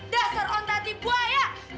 dasar ondati buaya